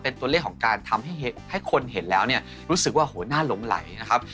เป็นตัวเลขของการทำให้คนเห็นแล้วเนี่ยรู้สึกว่าโหน่าหลงไหลนะครับ